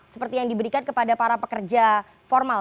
seperti yang diberikan kepada para pekerja formal